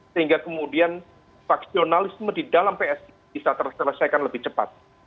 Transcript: sehingga kemudian faksionalisme di dalam psi bisa terselesaikan lebih cepat